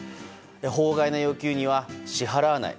法外な要求には支払わない。